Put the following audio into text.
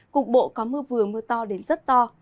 cục bộ có mưa vừa mưa to đến rất to